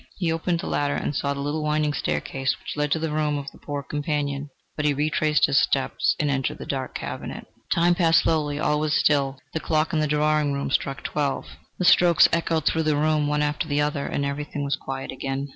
He opened the latter, and saw the little winding staircase which led to the room of the poor companion... But he retraced his steps and entered the dark cabinet. The time passed slowly. All was still. The clock in the drawing room struck twelve; the strokes echoed through the room one after the other, and everything was quiet again.